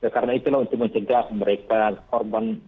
karena itulah untuk mencegah mereka korban